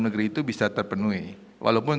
negeri itu bisa terpenuhi walaupun